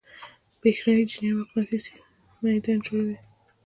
برېښنایی جریان مقناطیسي میدان جوړوي.